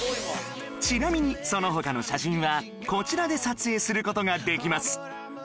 ちなみにその他の写真はこちらで撮影する事ができます